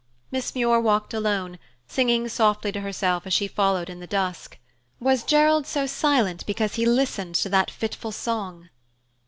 Miss Muir walked alone, singing softly to herself as she followed in the dusk. Was Gerald so silent because he listened to that fitful song?